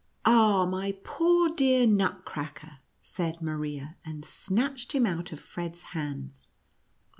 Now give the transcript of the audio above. " Ah, my poor dear Nutcracker I" said Maria, and snatched him out of Fred's hands.